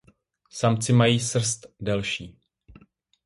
Samci mají srst delší.